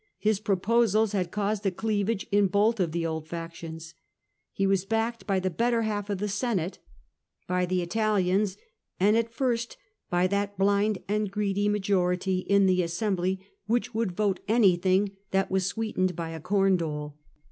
His proposals had caused a cleavage in both of the old factions. He was backed by the better half of the Senate, by the Italians, and at first by that blind and greedy majority in the assembly which would vote anything that was sweetened by a corn dole.